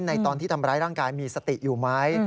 ในตอนที่ทำร้ายร่างกายมีสติอยู่ไหม